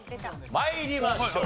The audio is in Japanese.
参りましょう。